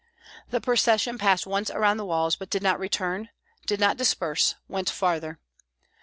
The procession passed once around the walls, but did not return, did not disperse, went farther.